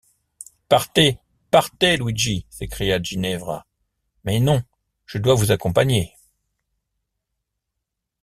Partez, partez, Luigi, s’écria Ginevra ; mais non, je dois vous accompagner.